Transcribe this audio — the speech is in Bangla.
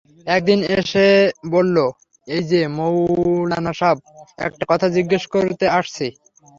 একদিন এসে বলল, এই যে মৌলানা সাব, একটা কথা জিজ্ঞেস করতে আসছি।